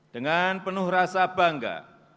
dengan penuh rasa bangga